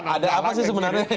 ada apa sih sebenarnya